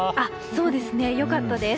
そうですね、良かったです。